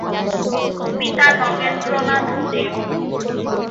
পিতা নগেন্দ্রনাথ দেব।